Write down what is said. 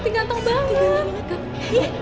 siapa cuma kasih kesukaan untuk kakak